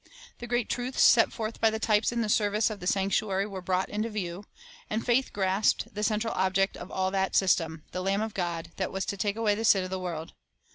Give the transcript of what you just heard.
The great truths set forth by the types in the service of the sanc tuary were brought to view, and faith grasped the central object of all that system, — the Lamb of God, that was to take away the sin of the world.